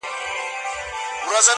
څوک چي په تېغ لوبي کوي زخمي به سینه-